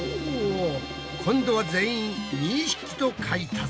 今度は全員２匹と書いたぞ。